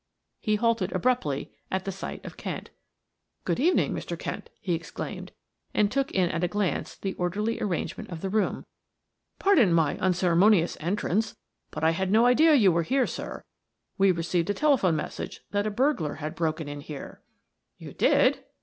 He halted abruptly at sight of Kent. "Good evening, Mr. Kent," he exclaimed, and took in at a glance the orderly arrangement of the room. "Pardon my unceremonious entrance, but I had no idea you were here, sir; we received a telephone message that a burglar had broken in here." "You did!"